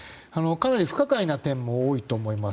かなり不可解な点も多いと思います。